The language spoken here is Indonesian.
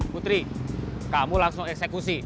putri kamu langsung eksekusi